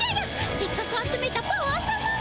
せっかくあつめたパワーさまが。